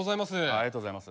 ありがとうございます。